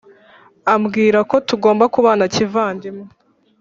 ambwira ko tugomba kubana kivandimwe,